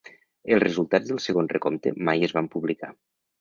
Els resultats del segon recompte mai es van publicar.